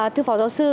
thưa phó giáo sư